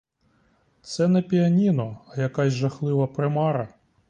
Це не піаніно, а якась жахлива примара.